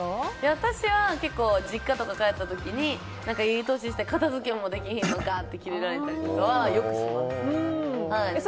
私は結構、実家とか帰った時にいい年して片付けもできひんのかとか言われたりよくします。